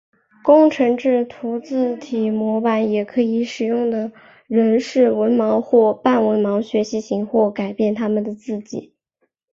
工程制图字体模板也可以使用的人是文盲或半文盲学习型或改善他们的笔迹。